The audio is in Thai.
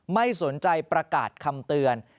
ไม่สนใจประกาศคำเตือน